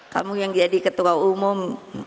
kamu yang jadi ketua umum